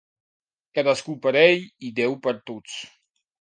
Cadascú per ell i Déu per tots.